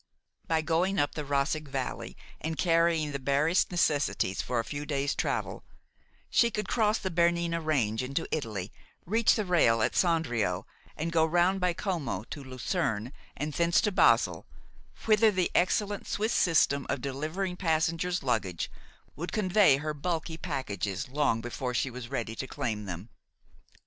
By going up the Roseg Valley, and carrying the barest necessaries for a few days' travel, she could cross the Bernina range into Italy, reach the rail at Sondrio, and go round by Como to Lucerne and thence to Basle, whither the excellent Swiss system of delivering passengers' luggage would convey her bulky packages long before she was ready to claim them.